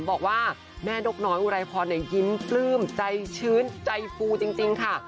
บอกว่าแม่นกน้อยอุไรพรยิ้มปลื้มใจชื้นใจฟูจริงค่ะ